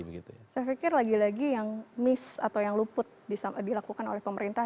saya pikir lagi lagi yang miss atau yang luput dilakukan oleh pemerintah